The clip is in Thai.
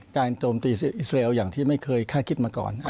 โจมตีอิสราเอลอย่างที่ไม่เคยคาดคิดมาก่อน